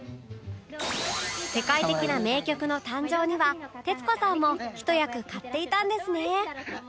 世界的な名曲の誕生には徹子さんも一役買っていたんですね